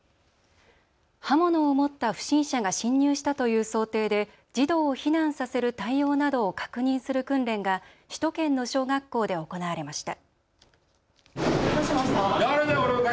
刃物を持った不審者が侵入したという想定で児童を避難させる対応などを確認する訓練が首都圏の小学校で行われました。